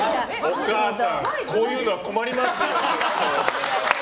お母さんこういうのは困ります！